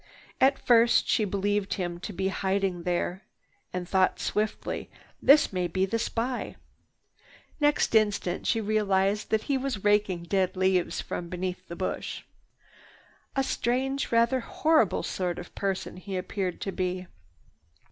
At first she believed him to be hiding there and thought swiftly, "This may be the spy!" Next instant she realized that he was raking dead leaves from beneath the bush. A strange, rather horrible sort of person he appeared to be.